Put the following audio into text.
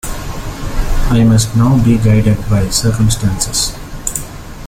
I must now be guided by circumstances.